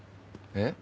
えっ？